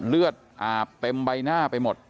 เลือดอาบเต็มใบหน้าไปหมด